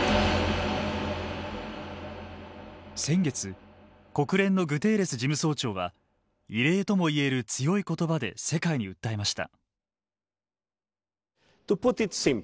先月国連のグテーレス事務総長は異例とも言える強い言葉で世界に訴えました。